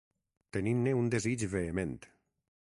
Tenint-ne un desig vehement.